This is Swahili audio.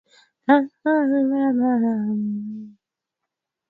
uliopokewa na waliomwamini kuwa ndiye Masiya yaani mkombozi aliyetimiliza